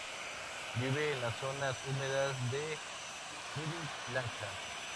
Vive en las zonas húmedas de Sri Lanka.